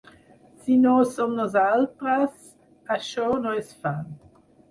Si no ho som nosaltres, això no es fan.